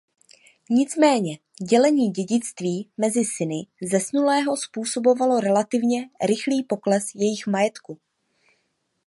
Nicméně dělení dědictví mezi syny zesnulého způsobovalo relativně rychlý pokles jejich majetku.